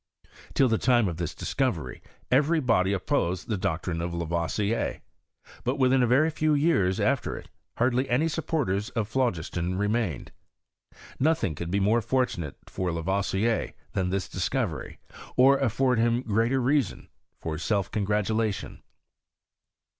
Till the time of this discovery every body opposed the doc trine of Lavoisier ; hut within a very few years after it, hardly any supporters of phlogiston remained. Nothing could be more fortunate for Lavoisier than this discovery, or afford him greater reason for self congratulation.